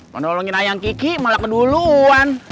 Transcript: menolongin ayang kiki malah keduluan